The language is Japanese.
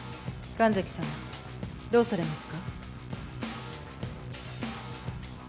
神崎さまどうされますか？